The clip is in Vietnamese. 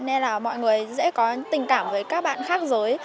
nên là mọi người sẽ có tình cảm với các bạn khác giới